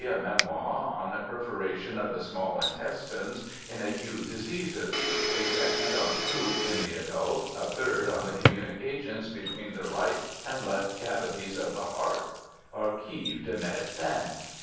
LOUIS 193 'In 1823, a memoir on perforation of the small intes tines, in acute diseases ; a second, on croup in the adult ; a third, on the communications between the right and left cavities of the heart (Archives de medecine).